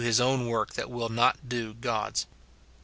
217 his own work that will not do God's.